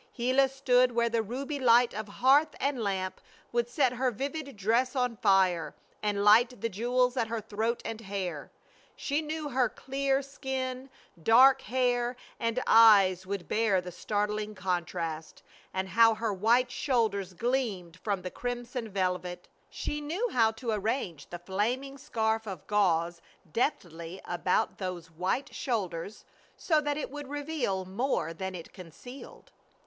Gila stood where the ruby light of hearth and lamp would set her vivid dress on fire and light the jewels at her throat and hair. She knew her clear skin, dark hair, and eyes would bear the startling contrast, and how her white shoulders gleamed from the crimson velvet. She knew how to arrange the flaming scarf of gauze deftly about those white shoulders so that it would reveal more than it concealed.